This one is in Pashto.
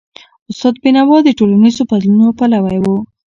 استاد بینوا د ټولنیزو بدلونونو پلوی و.